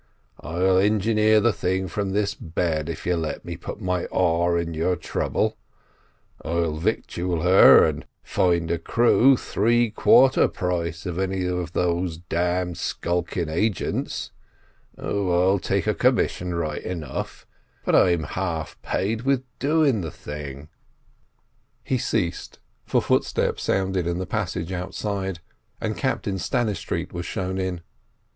I'll engineer the thing from this bed if you'll let me put my oar in your trouble; I'll victual her, and find a crew three quarter price of any of those d d skulking agents. Oh, I'll take a commission right enough, but I'm half paid with doing the thing—" He ceased, for footsteps sounded in the passage outside, and Captain Stannistreet was shown in.